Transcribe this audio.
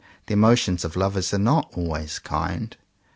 The emotions of lovers are not always kind.